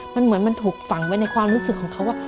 มันเหมือนมันถูกฝังไว้ในความรู้สึกของเขาว่า